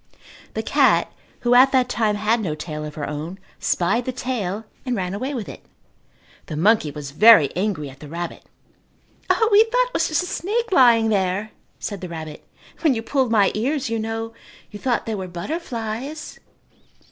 The cat, who at that time had no tail of her own, spied the tail and ran away with it. The monkey was very angry at the rabbit. "O, we thought it was just a snake lying there," said the rabbit. "When you pulled my ears, you know, you thought they were butterflies."